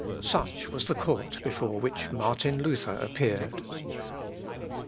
Such was the court before which Martin Luther appeared.